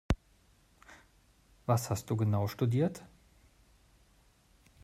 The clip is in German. Was hast du genau studiert?